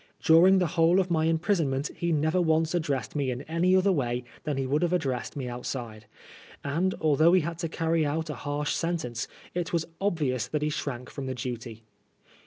During the whole of my imprisonment he never once addressed me in any other way than he would have addressed me outside ; and although he had to carry out a harsh sentence, it was obvious that he shrank from the duty.